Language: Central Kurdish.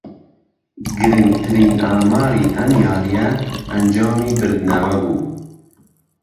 گرنگترین ئاماری ئهم یارییه ئهنجامی بردنهوه بوو